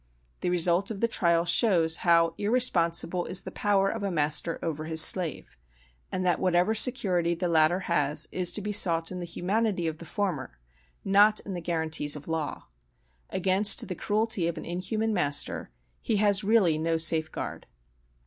The result of the trial shows how irresponsible is the power of a master over his slave; and that whatever security the latter has is to be sought in the humanity of the former, not in the guarantees of law. Against the cruelty of an inhuman master he has really no safeguard.